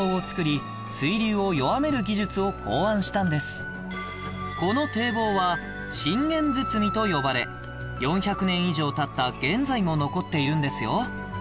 そこでこの堤防は信玄堤と呼ばれ４００年以上経った現在も残っているんですよ